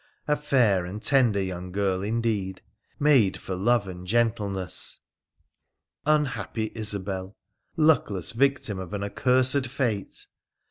A fair and tender young girl indeed, made for love and gentleness ! Unhappy Isobel !— luckless victim of an accursed fate